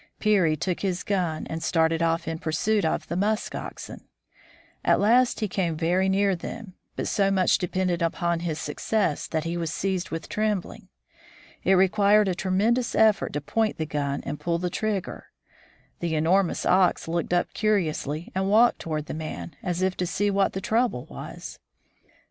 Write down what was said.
Peary took his gun and started off in pursuit of the musk oxen. At last he came very near them, but so much depended upon his success that he was seized with trem bling. It required a tremendous effort to point the gun and pull the trigger. The enormous ox looked up curiously, and walked toward the man, as if to see what the trouble was.